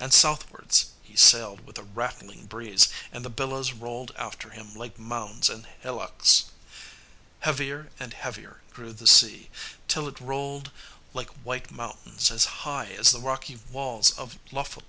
And southwards he sailed with a rattling breeze, and the billows rolled after him like mounds and hillocks. Heavier and heavier grew the sea, till it rolled like white mountains as high as the rocky walls of Lofoten.